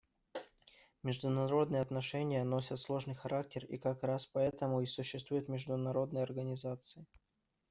Международные отношения носят сложный характер, и как раз поэтому и существуют международные организации.